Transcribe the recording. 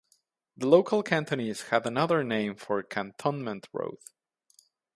The local Cantonese had another name for Cantonment Road.